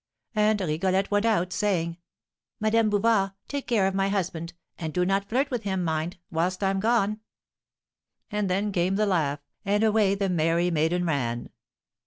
And Rigolette went out, saying: "Madame Bouvard, take care of my husband, and do not flirt with him, mind, whilst I am gone." And then came the laugh, and away the merry maiden ran.